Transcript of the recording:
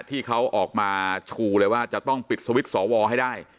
ที่เขาออกมาชูเลยว่าจะต้องปิดสวิตช์สวให้ได้